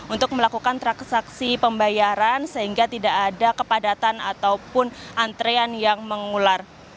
untuk melakukan transaksi pembayaran sehingga tidak ada kepadatan ataupun antrean yang mengular